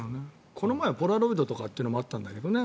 前、ポラロイドというのもあったんだけどね。